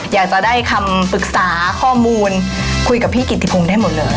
อยากจะได้คำปรึกษาข้อมูลคุยกับพี่กิติพงศ์ได้หมดเลย